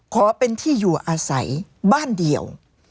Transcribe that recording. ขอเป็นที่อยู่อาศัยบ้านเดียว